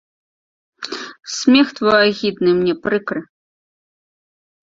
Смех твой агідны мне, прыкры.